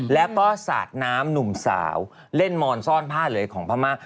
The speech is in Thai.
แล้วก็สาดน้ำหนุ่มสาวเล่นมอนซ่อนผ้าเลยของพม่า